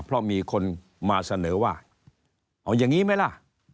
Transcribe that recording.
เพราะมีคนมาเสนอว่าเอาอย่างนี้ไหมล่ะ